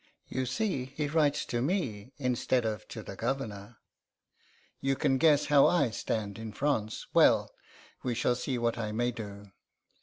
You see he writes to me instead of to the Governor. You can guess how I stand in France. Well, we shall see what I may do....